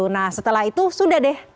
nah setelah itu sudah deh